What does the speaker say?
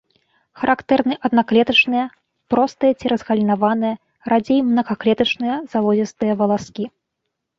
Характэрны аднаклетачныя, простыя ці разгалінаваныя, радзей мнагаклетачныя, залозістыя валаскі.